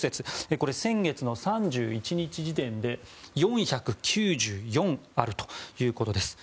これ、先月の３１日時点で４９４あるということです。